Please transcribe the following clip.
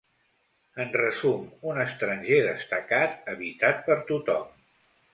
En resum, un estranger destacat, evitat per tothom.